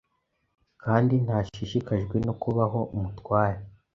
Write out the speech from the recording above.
Kandi ntashishikajwe no kubaho Umutware